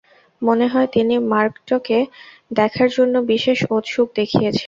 মনে হয়, তিনি মার্গটকে দেখার জন্য বিশেষ ঔৎসুক্য দেখিয়েছেন।